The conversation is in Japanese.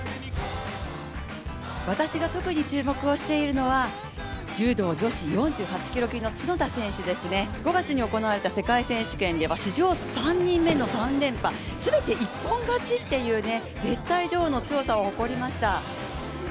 私が特に注目をしているのは柔道女子４８キロ級の角田選手ですね、５月に行われた世界選手権では史上３人目の３連覇全て一本勝ちという、絶対女王の強さを誇りました。